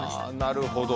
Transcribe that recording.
なるほど。